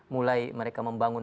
mulai mereka membangun